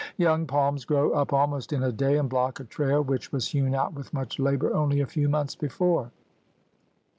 Young palms grow up almost in a day and block a trail which was hewn out with much labor only a few months before.